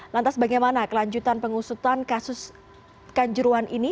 lantas bagaimana kelanjutan pengusutan kasus kanjuruan ini